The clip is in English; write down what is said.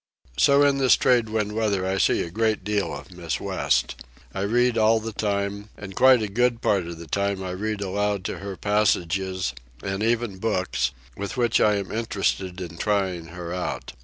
So in this trade wind weather I see a great deal of Miss West. I read all the time, and quite a good part of the time I read aloud to her passages, and even books, with which I am interested in trying her out.